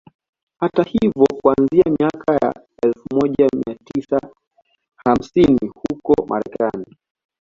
Hata hivyo kuanzia miaka ya elfu moja mia tisa hamaini huko Marekani